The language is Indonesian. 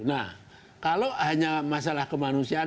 nah kalau hanya masalah kemanusiaan